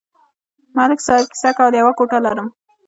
ملک صاحب کیسه کوله: یوه کوټه لرم.